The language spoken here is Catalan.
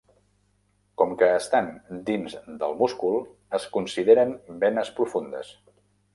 Com que estan dins del múscul, es consideren venes profundes.